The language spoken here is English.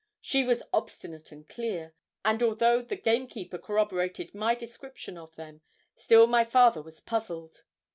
She was obstinate and clear; and although the gamekeeper corroborated my description of them, still my father was puzzled.